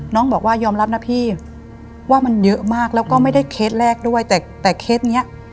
น้องบอกว่ายอมรับนะพี่ว่ามันเยอะมากแล้วก็ไม่ได้เคสแรกด้วยแต่แต่เคสเนี้ย